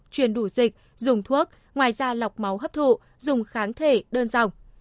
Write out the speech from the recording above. truyền đủ dịch dùng thuốc ngoài ra lọc máu hấp thụ dùng kháng thể đơn giản